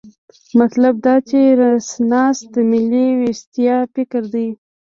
مطلب دا چې رنسانس د ملي ویښتیا فکر دی.